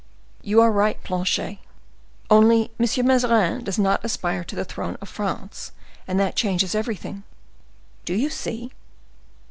"You are right, Planchet; only M. Mazarin does not aspire to the throne of France; and that changes everything. Do you see?